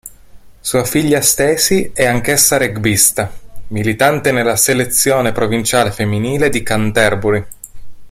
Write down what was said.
Sua figlia Stacey è anch'essa rugbista, militante nella selezione provinciale femminile di Canterbury.